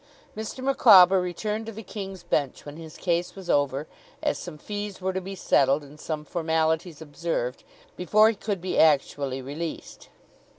Mr. Micawber returned to the King's Bench when his case was over, as some fees were to be settled, and some formalities observed, before he could be actually released.